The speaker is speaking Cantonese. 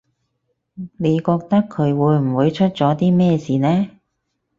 你覺得佢會唔會出咗啲咩事呢